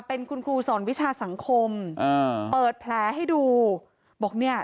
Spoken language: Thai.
เป็นคุณครูสอนวิชาสังคมอ่าเปิดแผลให้ดูบอกเนี่ย